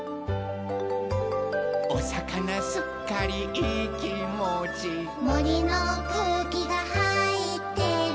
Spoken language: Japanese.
「おさかなすっかりいいきもち」「もりのくうきがはいってる」